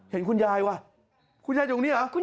เห็นคุณยายว่ะคุณยายอยู่ตรงนี้เหรอ